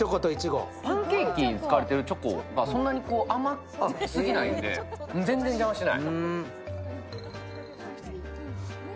パンケーキに使われてるチョコが甘すぎないんで全然邪魔してない。